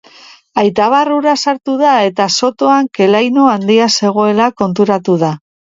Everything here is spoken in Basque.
Aita barrura sartu da eta sotoan ke-laino handia zegoela konturatu da.